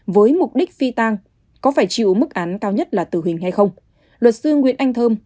với mục đích phi tang có phải chịu mức án cao nhất là tử hình hay không luật sư nguyễn anh thơm